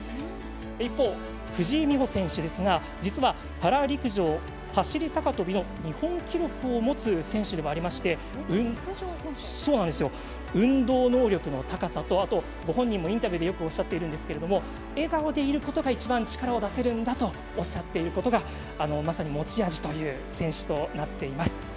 一方、藤井美穂選手ですが実は、パラ陸上、走り高跳びの日本記録を持つ選手でもありまして運動能力の高さと、あとご本人もインタビューでよくおっしゃっているんですが笑顔でいることが一番力を出せるんだとおっしゃっていることがまさに持ち味という選手となっています。